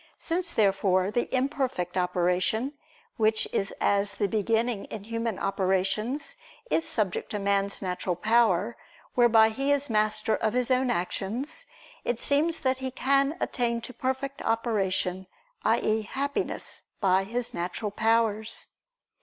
Since, therefore, the imperfect operation, which is as the beginning in human operations, is subject to man's natural power, whereby he is master of his own actions; it seems that he can attain to perfect operation, i.e. Happiness, by his natural powers.